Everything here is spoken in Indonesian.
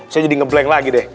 saya jadi ngebleng lagi deh